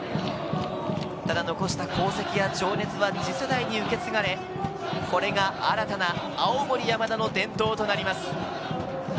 ただ残した功績や情熱は次世代に受け継がれ、これが新たな青森山田の伝統となります。